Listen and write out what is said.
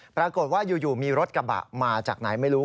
ปรากฏว่าอยู่มีรถกระบะมาจากไหนไม่รู้